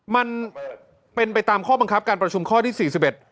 มันเป็นไปตามข้อบังคับการประชุมข้อที่๔๑